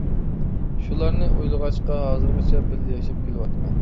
— شۇلارنى ئويلىغاچقا ھازىرغىچە بىللە ياشاپ كېلىۋاتىمەن.